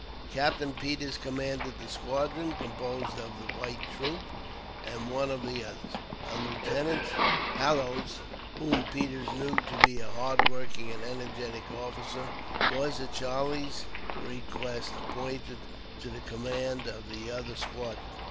Captain Peters commanded the squadron composed of the white troop and one of the others. A Lieutenant Hallowes, whom Peters knew to be a hard working and energetic officer, was, at Charlie's request, appointed to the command of the other squadron.